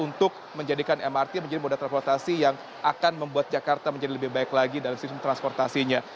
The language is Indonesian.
untuk menjadikan mrt menjadi moda transportasi yang akan membuat jakarta menjadi lebih baik lagi dalam sistem transportasinya